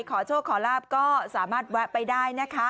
ขอโชคขอลาบก็สามารถแวะไปได้นะคะ